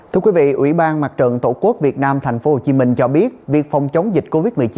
thưa quý vị ủy ban mặt trận tổ quốc việt nam tp hcm cho biết việc phòng chống dịch covid một mươi chín